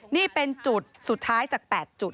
นี่เป็นจุดสุดท้ายจาก๘จุด